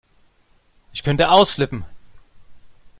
Ich könnte ausflippen!